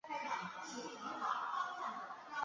部分完全中学为私人财团或团体所成立。